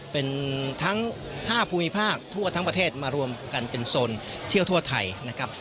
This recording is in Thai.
เป็นทั้ง๕ภูมิภาคทั่วทั้งประเทศมารวมกันเป็นโซนเที่ยวทั่วไทยนะครับ